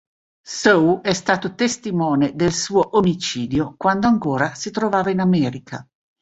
Sou è stato testimone del suo omicidio quando ancora si trovava in America.